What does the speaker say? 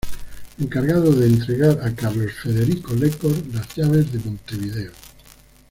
Encargado de entregar a Carlos Federico Lecor las llaves de Montevideo.